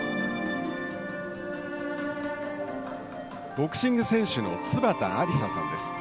ボクシング選手の津端ありささんです。